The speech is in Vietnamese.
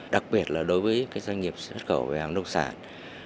đặc biệt là đối với doanh nghiệp xuất khẩu về hàng nông sản